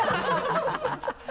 ハハハ